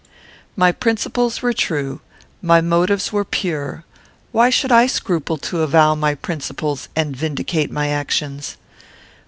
My principles were true; my motives were pure: why should I scruple to avow my principles and vindicate my actions?